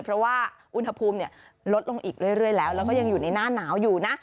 เพราะว่าอุณหภูมิลดลงอีกเรื่อยแล้วแล้วก็ยังอยู่ในหน้าหนาวอยู่นะ